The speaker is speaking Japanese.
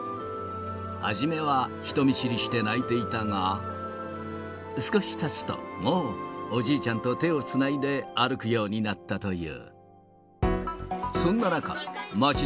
初めは人見知りして泣いていたが、少したつと、もう、おじいちゃんと手をつないで歩くようになったという。